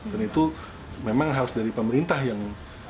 dan itu memang harus dari pemerintah yang